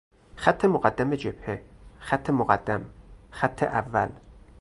خط مقدم جبهه، خط مقدم، خط اول